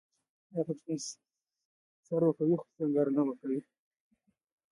آیا پښتون سر ورکوي خو سنګر نه؟